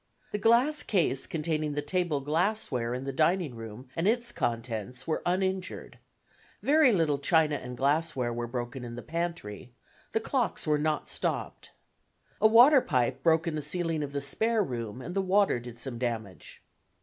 The glass case containing the table glassware in the dining room and its contents were uninjured; very little china and glassware were broken in the pantry; the clocks were not stopped. A water pipe broke in the ceiling of the spare room and the water did some damage.